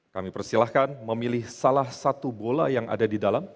kami persilahkan memilih salah satu bola yang ada di dalam